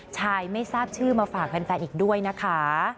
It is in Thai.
ชายไม่ทราบชื่อมาฝากแฟนอีกด้วยนะคะ